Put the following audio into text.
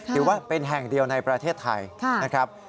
ถือว่าเป็นแห่งเดียวในประเทศไทยนะครับ